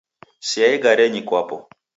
Sea igarenyi kwapo